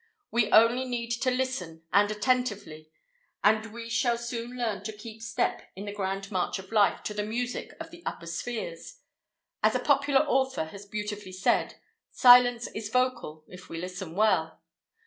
We only need listen earnestly and attentively, and we shall soon learn to keep step in the grand march of Life to the music of the upper spheres. As a popular author has beautifully said, "Silence is vocal, if we listen well."